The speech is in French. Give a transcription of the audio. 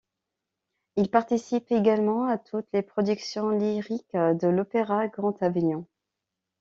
Il participe également à toutes les productions lyriques de l'Opéra Grand Avignon.